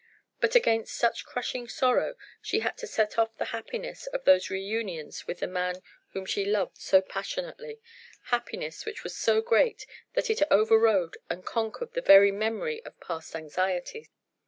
But against such crushing sorrow she had to set off the happiness of those reunions with the man whom she loved so passionately happiness which was so great, that it overrode and conquered the very memory of past anxieties.